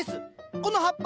この葉っぱ。